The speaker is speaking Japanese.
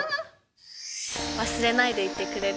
忘れないでいてくれる？